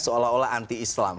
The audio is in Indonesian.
seolah olah anti islam